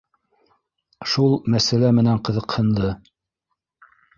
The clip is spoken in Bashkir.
Шул мәсьәлә менән ҡыҙыҡһынды